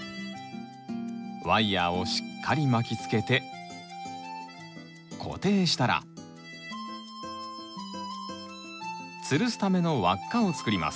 ワイヤーをしっかり巻きつけて固定したらつるすための輪っかを作ります。